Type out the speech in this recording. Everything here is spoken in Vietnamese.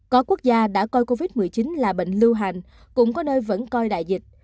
có quốc gia đã coi covid một mươi chín là bệnh lưu hành cũng có nơi vẫn coi đại dịch